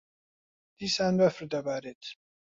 دیسان بەفر دەبارێت.